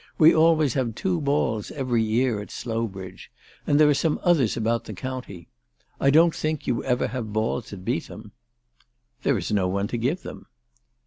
We always have two balls every year at Slowbridge. And there are some others about the county. I don't think you ever have balls at Beetham." " There is no one to give them."